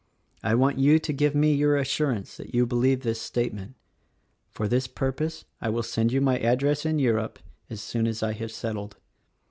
I want you to give me your assurance that you believe this statement. For this purpose I will send you my address in Europe as soon as I have settled.